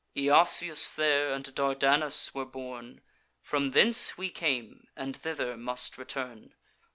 Jasius there and Dardanus were born; From thence we came, and thither must return.